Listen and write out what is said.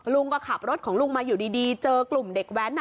ลุงก็ขับรถของลุงมาอยู่ดีเจอกลุ่มเด็กแว้น